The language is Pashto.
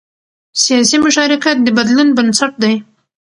سیاسي مشارکت د بدلون بنسټ دی